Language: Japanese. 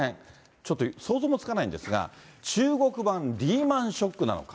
ちょっと想像もつかないんですが、中国版リーマンショックなのか。